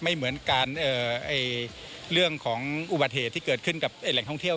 ไม่เหมือนกันเรื่องของอุบัติเหตุที่เกิดขึ้นกับแหล่งท่องเที่ยว